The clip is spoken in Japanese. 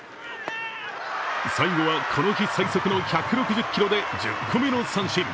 最後はこの日最速の１６０キロで１０個目の三振。